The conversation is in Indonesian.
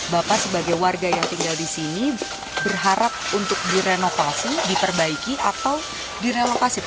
bapak sebagai warga yang tinggal di sini berharap untuk direnovasi diperbaiki atau direlokasi pak